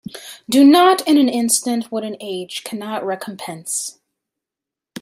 Do not in an instant what an age cannot recompense.